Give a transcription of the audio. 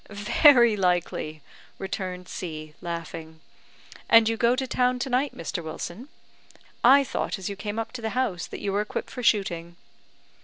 "Very likely," returned C , laughing. "And you go to town to night, Mr. Wilson? I thought as you came up to the house that you were equipped for shooting."